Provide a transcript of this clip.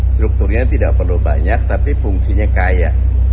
strukturnya tidak perlu banyak tapi fungsinya kaya